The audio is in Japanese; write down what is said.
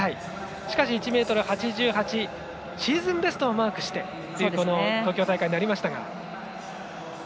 しかし１ｍ８８とシーズンベストをマークした東京大会になりました。